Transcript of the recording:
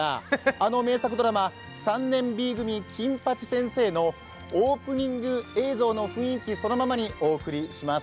あの名作ドラマ「３年Ｂ組金八先生」のオープニング映像の雰囲気そのままにしています。